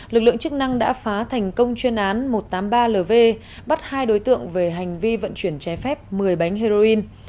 lực lượng chức năng đã phá thành công chuyên án một trăm tám mươi ba lv bắt hai đối tượng về hành vi vận chuyển trái phép một mươi bánh heroin